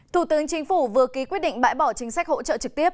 thủ tướng chính phủ vừa ký quyết định bãi bỏ chính sách hỗ trợ trực tiếp